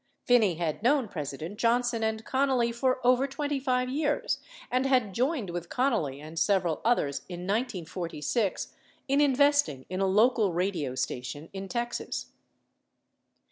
Phinney had known President Johnson and Formally for over 25 years, and had joined with Connally and several others in 1946 in investing in a local radio station in Texas.